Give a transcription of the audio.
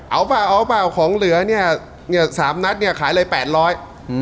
เอาป่าวของเหลือเนี่ยสามนัทเนี่ยขายเลยแปดร้อย